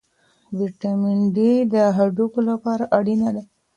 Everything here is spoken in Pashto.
ویټامن ډي د هډوکو لپاره اړین دی.